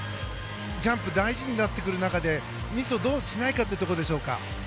ジャンプ大事になってくる中でミスをどうしないかというところでしょうか。